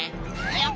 よっ！